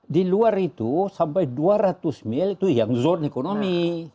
di luar itu sampai dua ratus mil itu yang zone ekonomi